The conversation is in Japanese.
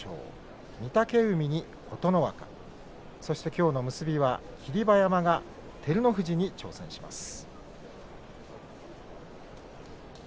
きょうの結びは霧馬山が照ノ富士に挑戦します。